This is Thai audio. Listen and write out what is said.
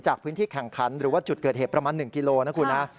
จากพื้นที่แข่งขันหรือว่าจุดเกิดเหตุประมาณ๑กิโลนะคุณฮะ